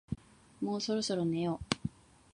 もうそろそろ寝よう